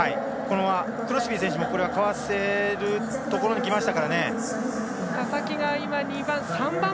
クロスビー選手もかわせるところにきました。